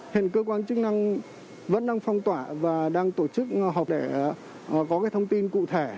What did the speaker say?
hiện cơ quan chức năng vẫn đang phong tỏa và đang tổ chức họp để có cái thông tin cụ thể